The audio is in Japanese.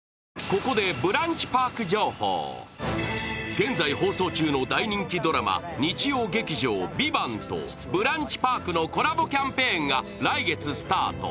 現在放送中の大人気ドラマ日曜劇場「ＶＩＶＡＮＴ」とＢＲＵＮＣＨＰＡＲＫのコラボキャンペーンが来月スタート。